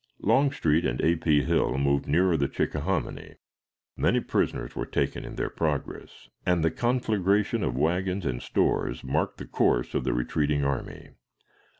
Longstreet and A. P. Hill moved nearer the Chickahominy. Many prisoners were taken in their progress; and the conflagration of wagons and stores marked the course of the retreating army.